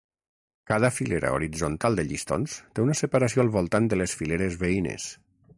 Cada filera horitzontal de llistons té una separació al voltant de les fileres veïnes.